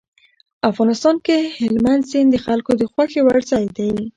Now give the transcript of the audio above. افغانستان کې هلمند سیند د خلکو د خوښې وړ ځای دی.